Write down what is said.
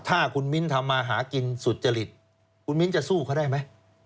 ถ้าคุณมิ้นทำมาหากินสุจริตคุณมิ้นจะสู้เขาได้ไหม